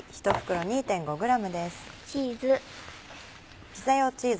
チーズ。